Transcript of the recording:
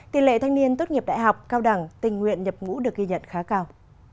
tỷ lệ thanh niên tốt nghiệp đại học cao đẳng tình nguyện nhập ngũ được ghi nhận khá cao